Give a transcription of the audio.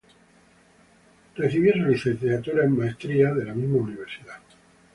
Recibió su licenciatura en maestría de la misma universidad.